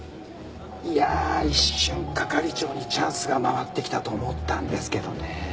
いやあ一瞬係長にチャンスが回ってきたと思ったんですけどね。